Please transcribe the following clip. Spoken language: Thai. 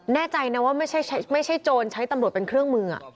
แน่ใจนะว่าไม่ใช่โจรใช้ตำรวจเป็นเครื่องมือ